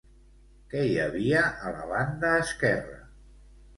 Què hi havia a la banda esquerra?